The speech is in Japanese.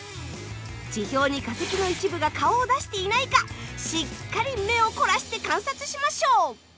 地表に化石の一部が顔を出していないかしっかり目を凝らして観察しましょう。